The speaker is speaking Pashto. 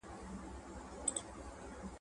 شپانه مو مړ دی د سهار غر مو شپېلۍ نه لري ..